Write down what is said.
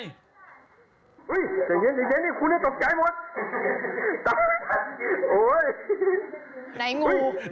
เฮ้ยใจเย็นนี่คู่นี้ตกใจหมด